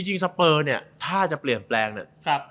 สเปอร์เนี่ยถ้าจะเปลี่ยนแปลงเนี่ย